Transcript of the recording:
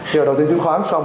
thì đầu tiên chứng khoán xong